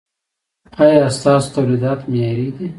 ایا ستاسو تولیدات معیاري دي؟